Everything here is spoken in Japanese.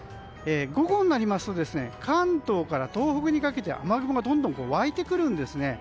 午後になりますと関東から東北にかけて雨雲がどんどん湧いてくるんですね。